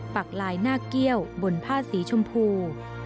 ปากลายหน้าเกี้ยวบนผ้าสีชมพู